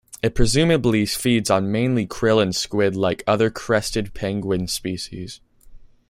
It presumably feeds on mainly krill and squid like other crested penguin species.